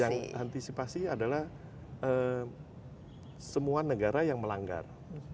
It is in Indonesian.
yang antisipasi adalah semua negara yang melanggar